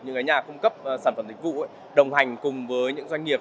những nhà cung cấp sản phẩm dịch vụ đồng hành cùng với những doanh nghiệp